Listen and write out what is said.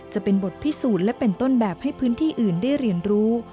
จะเป็นบทพิสูจน์และเป็นต้นแบบให้พื้นที่อื่นได้เรียนรู้